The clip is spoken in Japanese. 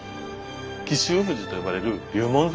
紀州富士と呼ばれる龍門山なんです。